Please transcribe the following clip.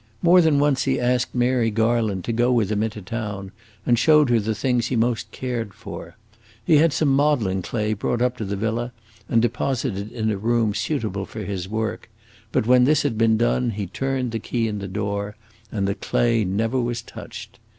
More than once he asked Mary Garland to go with him into town, and showed her the things he most cared for. He had some modeling clay brought up to the villa and deposited in a room suitable for his work; but when this had been done he turned the key in the door and the clay never was touched.